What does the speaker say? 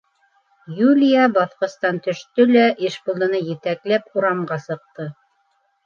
Юлия баҫҡыстан төштө лә Ишбулдыны етәкләп урамға сыҡты.